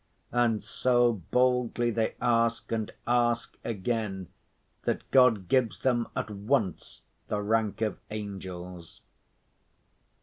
And so boldly they ask and ask again that God gives them at once the rank of angels.